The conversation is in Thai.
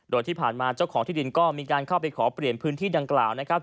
โดยที่ผ่านมาเจ้าของที่ดินก็มีการเข้าไปขอเปลี่ยนพื้นที่ดังกล่าวนะครับ